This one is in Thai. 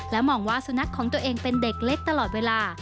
มองว่าสุนัขของตัวเองเป็นเด็กเล็กตลอดเวลา